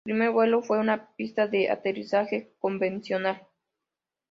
Su primer vuelo fue en una pista de aterrizaje convencional.